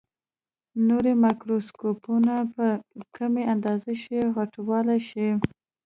نوري مایکروسکوپونه په کمه اندازه شی غټولای شي.